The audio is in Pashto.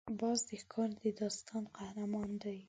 باز د ښکار د داستان قهرمان دی